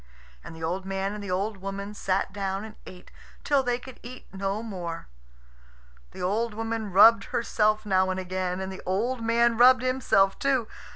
And the old man and the old woman sat down and ate till they could eat no more. The old woman rubbed herself now and again. And the old man rubbed himself too.